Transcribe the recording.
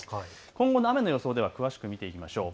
今後の雨の予想を詳しく見ていきましょう。